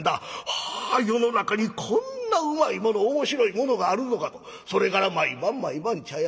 『はあ世の中にこんなうまいもの面白いものがあるのか』とそれから毎晩毎晩茶屋通いじゃ。